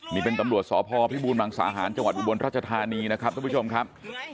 นี่เป็นตำรวจสอบภพิบูรณ์มังสาหารจังหวัดอุบวนราชธานีนะครับ